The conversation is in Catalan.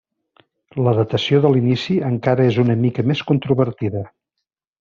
La datació de l'inici encara és una mica més controvertida.